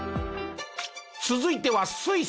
続いてはスイス。